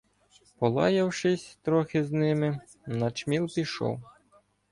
Полаявшись трохи з ними, начміл пішов.